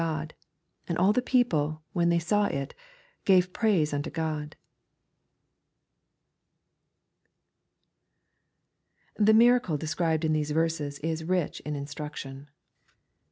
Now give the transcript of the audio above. God : and all the people, when they saw U, gave praise unto God. The miracle described in these verses is rich in instruction.